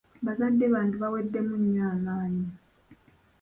Bazadde bange baaweddemu nnyo amaanyi.